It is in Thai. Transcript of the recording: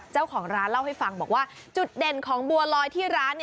เจ้าของร้านเล่าให้ฟังบอกว่าจุดเด่นของบัวลอยที่ร้าน